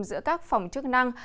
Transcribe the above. giữa các phòng chức năng